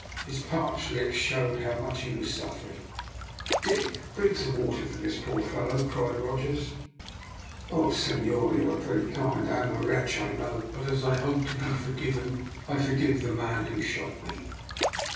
His parched lips showed how much he was suffering. "Dick, bring some water for this poor fellow," cried Rogers. "Oh! senhor, you are very kind. I am a wretch, I know; but, as I hope to be forgiven, I forgive the man who shot me."